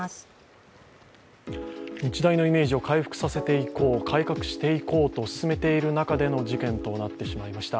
日大のイメージを回復させていこう、改革させていこうと進めている中での事件となっていました。